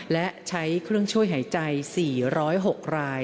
และใช้เครื่องช่วยหายใจ๔๐๖ราย